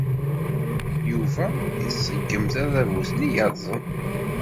Yuba iṣeggem tadabut-nni yerrẓen.